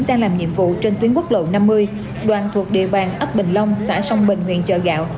đang làm nhiệm vụ trên tuyến quốc lộ năm mươi đoàn thuộc địa bàn ấp bình long xã sông bình huyện chợ gạo